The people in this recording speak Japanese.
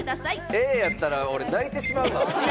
Ａやったら泣いてしまうわ！